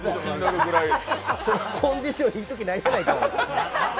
コンディションええときないやないか、お前。